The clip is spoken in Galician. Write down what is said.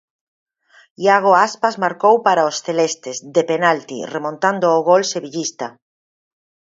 Iago Aspas marcou para os celestes, de penalti, remontando o gol sevillista.